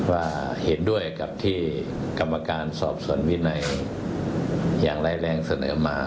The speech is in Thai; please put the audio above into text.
ว่าเห็นด้วยกับที่กรรมการสอบส่วนวินัยอย่างไร้แรงเสนอมา